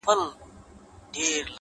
دعا ، دعا ، دعا ،دعا كومه،